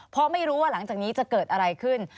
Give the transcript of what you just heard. เพราะไม่รู้ว่าหลังจากนี้จะเกิดอะไรขึ้น